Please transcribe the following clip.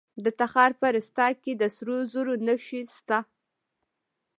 د تخار په رستاق کې د سرو زرو نښې شته.